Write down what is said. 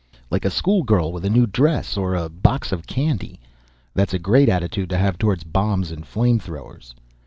_Like a schoolgirl with a new dress. Or a box of candy. That's a great attitude to have towards bombs and flame throwers.